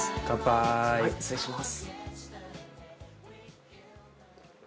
はい失礼します。